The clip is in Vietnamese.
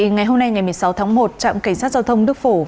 ngày hôm nay ngày một mươi sáu tháng một trạm cảnh sát giao thông đức phổ